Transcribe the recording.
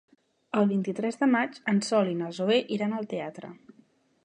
El vint-i-tres de maig en Sol i na Zoè iran al teatre.